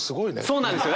そうなんですよ！